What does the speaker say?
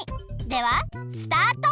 ではスタート！